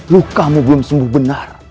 lukamu belum sembuh benar